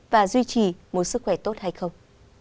và duy trì một sức khỏe tốt hay không